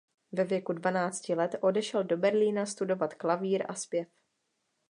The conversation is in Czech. Ve věku dvanácti let odešel do Berlína studovat klavír a zpěv.